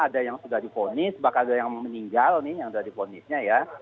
ada yang sudah diponis bahkan ada yang meninggal nih yang sudah diponisnya ya